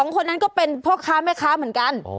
คนนั้นก็เป็นพ่อค้าแม่ค้าเหมือนกัน